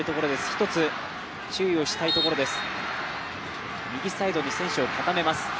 一つ、注意をしたいところです。